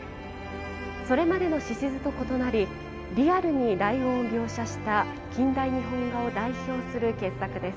それまでの獅子図と異なりリアルにライオンを描写した近代日本画を代表する傑作です。